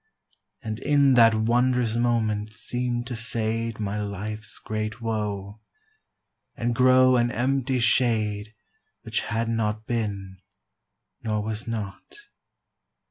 And in that wondrous moment seem'd to fade My life's great woe, and grow an empty shade Which had not been, nor was not.